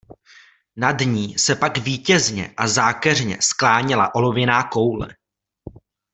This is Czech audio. Nad ní se pak vítězně a zákeřně skláněla olověná koule.